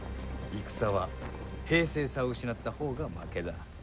戦は、平静さを失った方が負けだ。